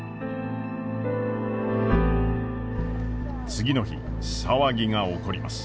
次の日騒ぎが起こります。